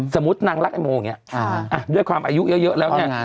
สมมุตินางรักไอ้โมอย่างนี้ด้วยความอายุเยอะแล้วเนี่ย